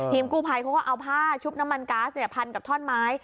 กู้ภัยเขาก็เอาผ้าชุบน้ำมันก๊าซพันกับท่อนไม้